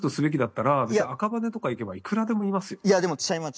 いやでも違います